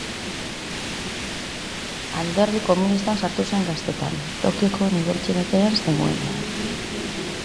Alderdi komunistan sartu zen gaztetan, Tokioko unibertsitatean zegoenean.